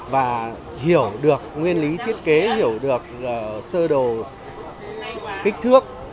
và hiểu được nguyên lý thiết kế hiểu được sơ đồ kích thước